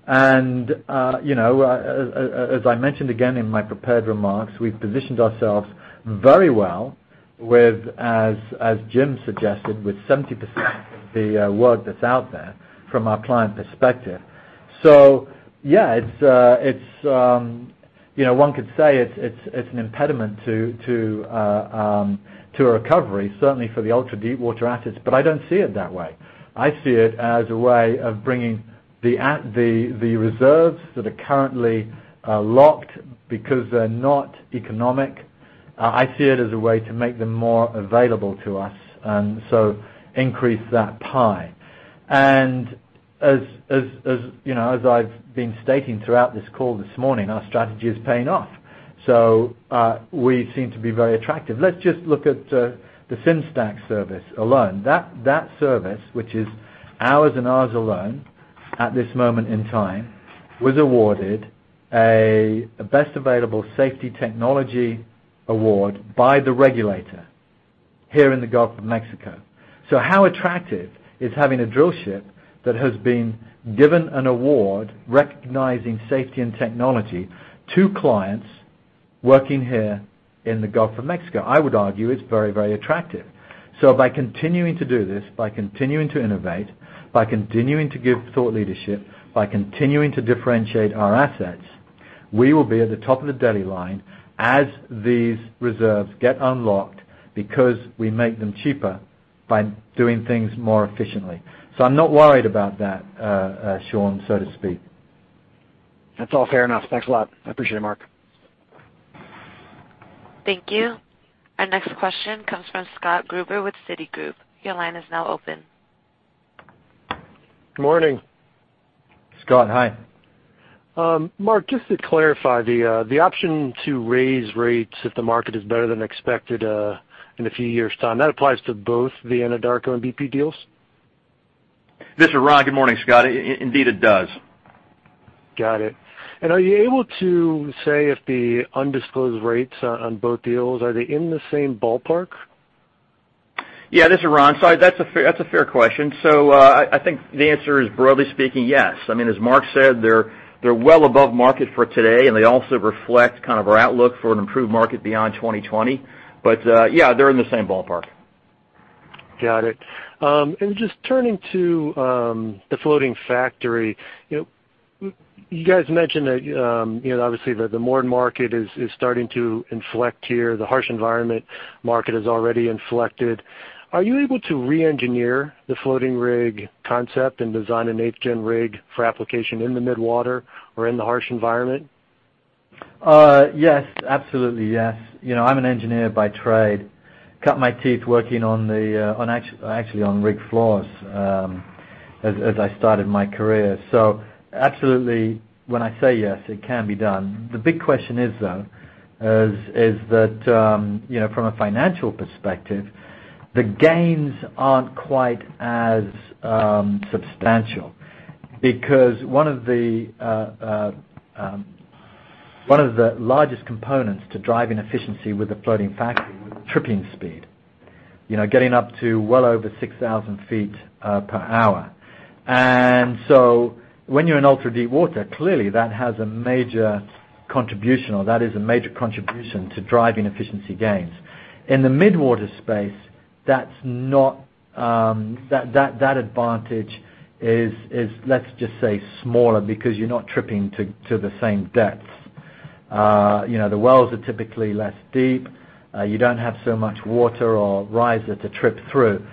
As I mentioned again in my prepared remarks, we've positioned ourselves very well with, as Jim suggested, with 70% of the work that's out there from our client perspective. Yeah, one could say it's an impediment to a recovery, certainly for the ultra-deep water assets, I don't see it that way. I see it as a way of bringing the reserves that are currently locked because they're not economic. I see it as a way to make them more available to us, increase that pie. As I've been stating throughout this call this morning, our strategy is paying off. We seem to be very attractive. Let's just look at the SimStack service alone. That service, which is ours and ours alone at this moment in time, was awarded a best available safety technology award by the regulator here in the Gulf of Mexico. How attractive is having a drill ship that has been given an award recognizing safety and technology to clients working here in the Gulf of Mexico? I would argue it's very, very attractive. By continuing to do this, by continuing to innovate, by continuing to give thought leadership, by continuing to differentiate our assets, we will be at the top of the deli line as these reserves get unlocked because we make them cheaper by doing things more efficiently. I'm not worried about that, Sean, so to speak. That's all fair enough. Thanks a lot. I appreciate it, Marc. Thank you. Our next question comes from Scott Gruber with Citigroup. Your line is now open. Morning. Scott, hi. Marc, just to clarify, the option to raise rates if the market is better than expected in a few years' time, that applies to both the Anadarko and BP deals? This is Ron. Good morning, Scott. Indeed, it does. Got it. Are you able to say if the undisclosed rates on both deals, are they in the same ballpark? Yeah, this is Ron. That's a fair question. I think the answer is, broadly speaking, yes. As Marc said, they're well above market for today, and they also reflect our outlook for an improved market beyond 2020. Yeah, they're in the same ballpark. Got it. Just turning to the Floating Factory. You guys mentioned that obviously the moored market is starting to inflect here. The harsh environment market has already inflected. Are you able to reengineer the floating rig concept and design an 8th-gen rig for application in the midwater or in the harsh environment? Yes, absolutely yes. I'm an engineer by trade. Cut my teeth working actually on rig floors as I started my career. Absolutely, when I say yes, it can be done. The big question is, though, is that from a financial perspective, the gains aren't quite as substantial because one of the largest components to driving efficiency with the Floating Factory was tripping speed. Getting up to well over 6,000 feet per hour. When you're in ultra-deep water, clearly that has a major contribution, or that is a major contribution to driving efficiency gains. In the midwater space, that advantage is, let's just say smaller, because you're not tripping to the same depths. The wells are typically less deep. You don't have so much water or riser to trip through.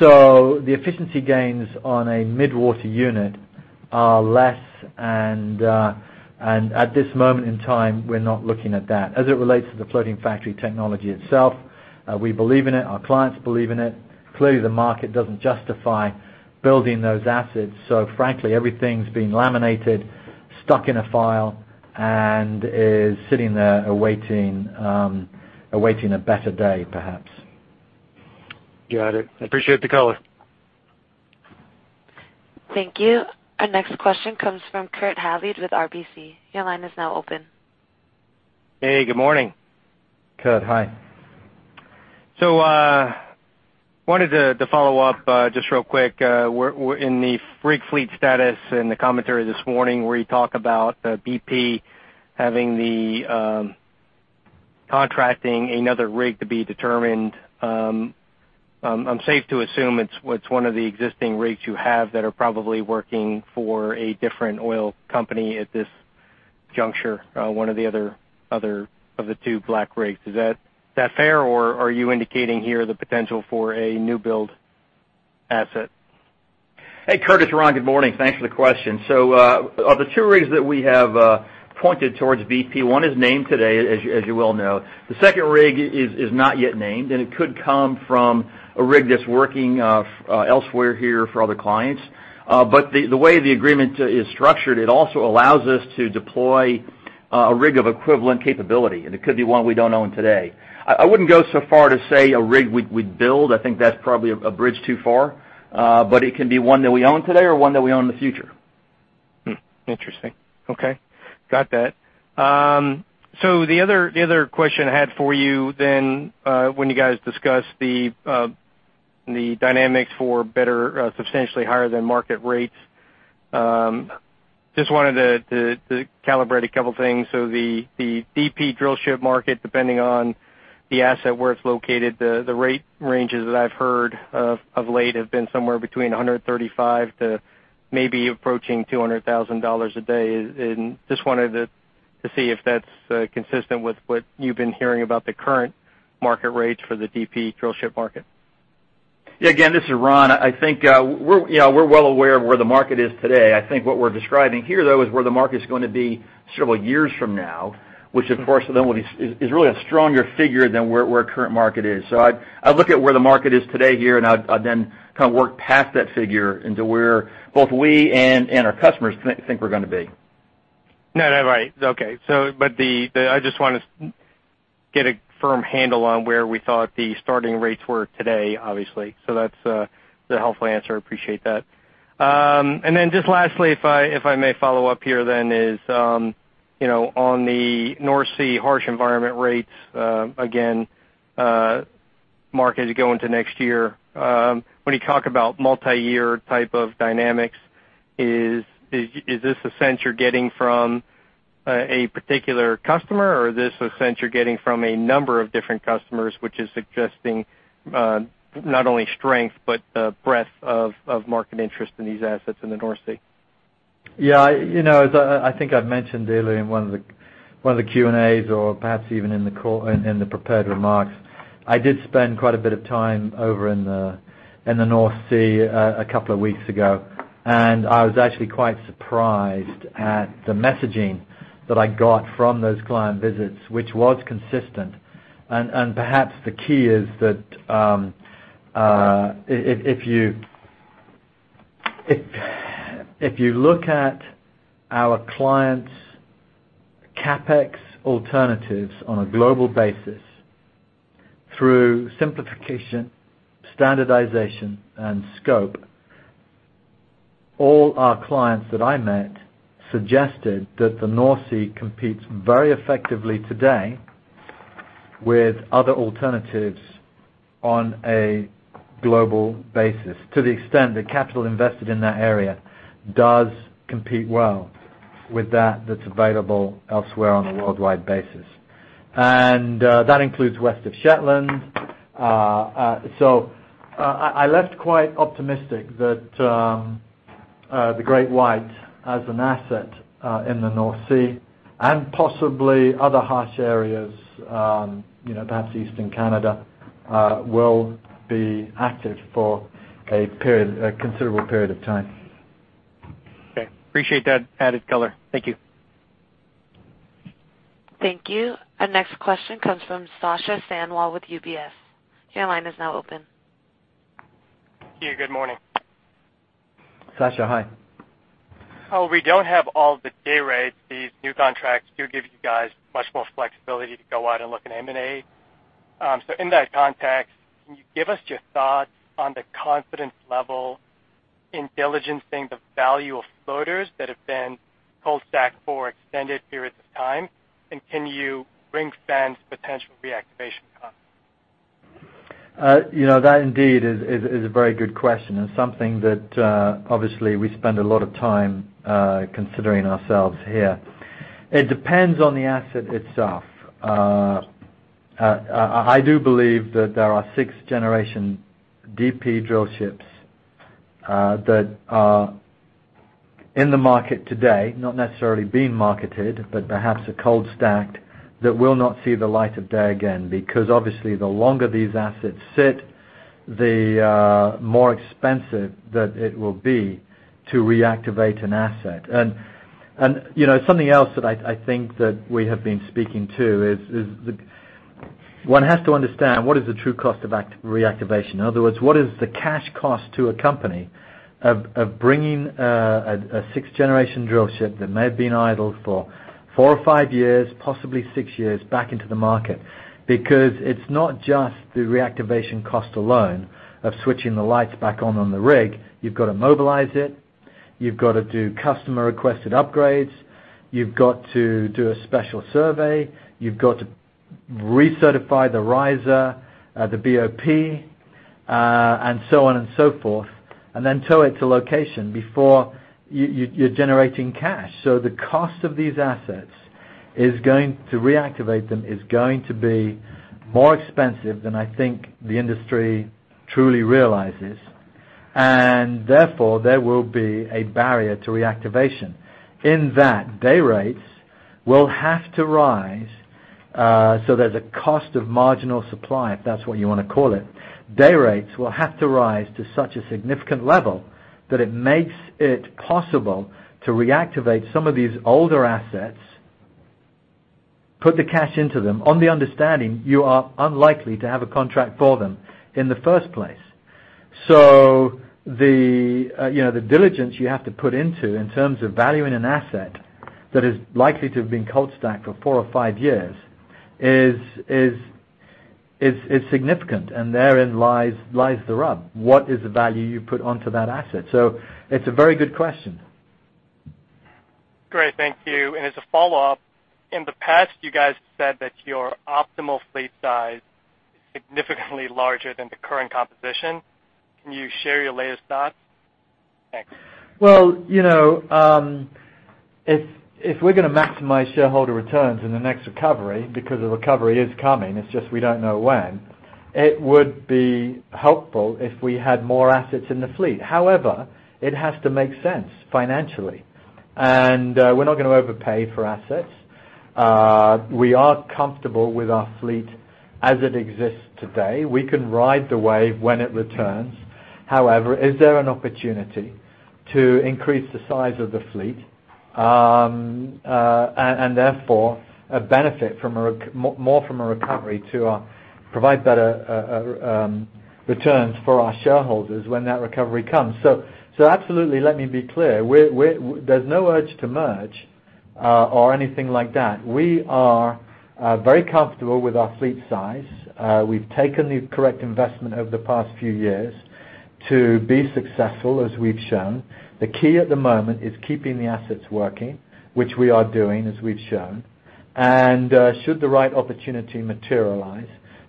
The efficiency gains on a mid-water unit are less and, at this moment in time, we're not looking at that. As it relates to the Floating Factory technology itself, we believe in it. Our clients believe in it. Clearly, the market doesn't justify building those assets. Frankly, everything's been laminated, stuck in a file, and is sitting there awaiting a better day, perhaps. Got it. I appreciate the color. Thank you. Our next question comes from Kurt Hallead with RBC. Your line is now open. Hey, good morning. Kurt. Hi. Wanted to follow up just real quick. In the rig fleet status and the commentary this morning where you talk about BP having the contracting another rig to be determined, I'm safe to assume it's one of the existing rigs you have that are probably working for a different oil company at this juncture, one of the other of the two Black rigs. Is that fair, or are you indicating here the potential for a new build asset? Hey, Kurt, it's Ron. Good morning. Thanks for the question. Of the two rigs that we have pointed towards BP, one is named today, as you well know. The second rig is not yet named, and it could come from a rig that's working elsewhere here for other clients. The way the agreement is structured, it also allows us to deploy a rig of equivalent capability, and it could be one we don't own today. I wouldn't go so far to say a rig we'd build. I think that's probably a bridge too far. It can be one that we own today or one that we own in the future. Hmm. Interesting. Okay. Got that. The other question I had for you then, when you guys discussed the dynamics for better, substantially higher than market rates, just wanted to calibrate a couple things. The DP drill ship market, depending on the asset where it's located, the rate ranges that I've heard of late have been somewhere between $135,000 to maybe approaching $200,000 a day. Just wanted to see if that's consistent with what you've been hearing about the current market rates for the DP drill ship market. Again, this is Ron. I think we're well aware of where the market is today. I think what we're describing here, though, is where the market's going to be several years from now, which of course then is really a stronger figure than where current market is. I'd look at where the market is today here, and I'd then kind of work past that figure into where both we and our customers think we're going to be. Right. Okay. I just want to get a firm handle on where we thought the starting rates were today, obviously. That's a helpful answer. Appreciate that. Lastly, if I may follow up here then is, on the North Sea harsh environment rates, again, Marc, as you go into next year, when you talk about multi-year type of dynamics, is this a sense you're getting from a particular customer, or is this a sense you're getting from a number of different customers, which is suggesting not only strength, but breadth of market interest in these assets in the North Sea? I think I've mentioned earlier in one of the Q&As, or perhaps even in the prepared remarks, I did spend quite a bit of time over in the North Sea a couple of weeks ago. I was actually quite surprised at the messaging that I got from those client visits, which was consistent. Perhaps the key is that if you look at our clients' CapEx alternatives on a global basis through simplification, standardization, and scope, all our clients that I met suggested that the North Sea competes very effectively today with other alternatives on a global basis. To the extent the capital invested in that area does compete well with that's available elsewhere on a worldwide basis. That includes west of Shetland. I left quite optimistic that the GreatWhite as an asset in the North Sea and possibly other harsh areas, perhaps Eastern Canada, will be active for a considerable period of time. Okay. Appreciate that added color. Thank you. Thank you. Our next question comes from Sasha Sanwal with UBS. Your line is now open. Yeah, good morning. Sasha. Hi. We don't have all the day rates. These new contracts do give you guys much more flexibility to go out and look at M&A. In that context, can you give us your thoughts on the confidence level in diligencing the value of floaters that have been cold stacked for extended periods of time, and can you bring stand potential reactivation costs? That indeed is a very good question and something that, obviously, we spend a lot of time considering ourselves here. It depends on the asset itself. I do believe that there are sixth-generation DP drill ships that are in the market today, not necessarily being marketed, but perhaps they're cold stacked, that will not see the light of day again. Obviously, the longer these assets sit, the more expensive that it will be to reactivate an asset. Something else that I think that we have been speaking to is, one has to understand what is the true cost of reactivation. In other words, what is the cash cost to a company of bringing a sixth-generation drill ship that may have been idle for four or five years, possibly six years, back into the market? It's not just the reactivation cost alone of switching the lights back on the rig. You've got to mobilize it. You've got to do customer-requested upgrades. You've got to do a special survey. You've got to recertify the riser, the BOP, and so on and so forth, and then tow it to location before you're generating cash. The cost of these assets, to reactivate them, is going to be more expensive than I think the industry truly realizes. Therefore, there will be a barrier to reactivation in that day rates will have to rise. There's a cost of marginal supply, if that's what you want to call it. Day rates will have to rise to such a significant level that it makes it possible to reactivate some of these older assets, put the cash into them, on the understanding you are unlikely to have a contract for them in the first place. The diligence you have to put into, in terms of valuing an asset that is likely to have been cold stacked for four or five years, is significant, and therein lies the rub. What is the value you put onto that asset? It's a very good question. Great. Thank you. As a follow-up, in the past, you guys said that your optimal fleet size is significantly larger than the current composition. Can you share your latest thoughts? Thanks. If we're going to maximize shareholder returns in the next recovery, because a recovery is coming, it's just we don't know when, it would be helpful if we had more assets in the fleet. However, it has to make sense financially. We're not going to overpay for assets. We are comfortable with our fleet as it exists today. We can ride the wave when it returns. However, is there an opportunity to increase the size of the fleet, and therefore benefit more from a recovery to provide better returns for our shareholders when that recovery comes? Absolutely, let me be clear. There's no urge to merge or anything like that. We are very comfortable with our fleet size. We've taken the correct investment over the past few years to be successful, as we've shown. The key at the moment is keeping the assets working, which we are doing as we've shown. Should the right opportunity materialize,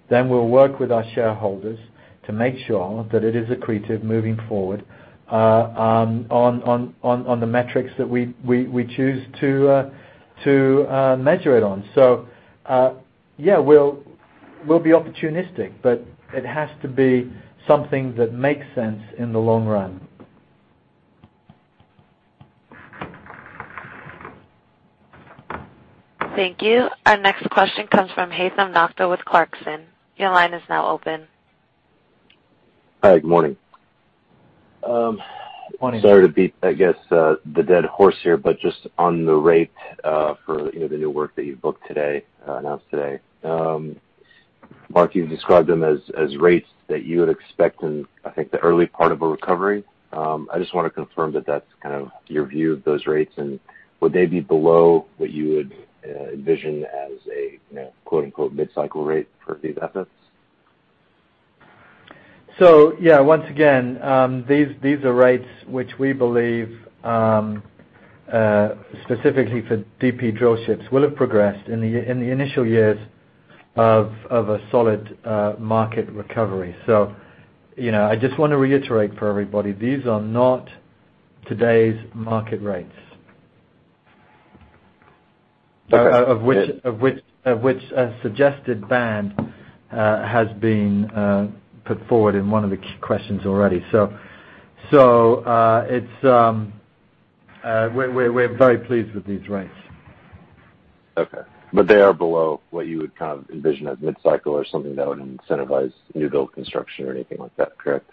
then we'll work with our shareholders to make sure that it is accretive moving forward on the metrics that we choose to measure it on. Yeah, we'll be opportunistic, but it has to be something that makes sense in the long run. Thank you. Our next question comes from Haithum Nokta with Clarksons. Your line is now open. Hi, good morning. Morning. Sorry to beat, I guess, the dead horse here, but just on the rate for the new work that you've booked today, announced today. Marc, you've described them as rates that you would expect in, I think, the early part of a recovery. I just want to confirm that that's kind of your view of those rates, and would they be below what you would envision as a quote-unquote "mid-cycle rate" for these assets? Yeah, once again, these are rates which we believe, specifically for DP drill ships, will have progressed in the initial years of a solid market recovery. I just want to reiterate for everybody, these are not today's market rates. Okay. Of which a suggested band has been put forward in one of the key questions already. We're very pleased with these rates. Okay. They are below what you would kind of envision as mid-cycle or something that would incentivize new build construction or anything like that, correct?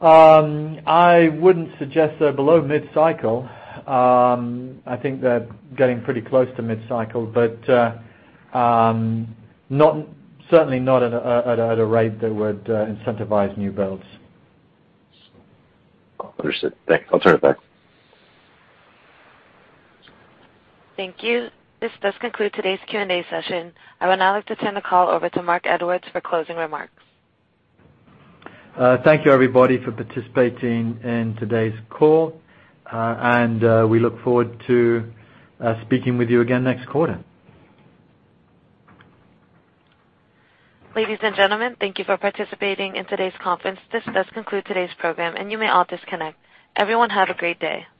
I wouldn't suggest they're below mid-cycle. I think they're getting pretty close to mid-cycle. Certainly not at a rate that would incentivize new builds. Understood. Thanks. I'll turn it back. Thank you. This does conclude today's Q&A session. I would now like to turn the call over to Marc Edwards for closing remarks. Thank you, everybody, for participating in today's call. We look forward to speaking with you again next quarter. Ladies and gentlemen, thank you for participating in today's conference. This does conclude today's program, and you may all disconnect. Everyone have a great day.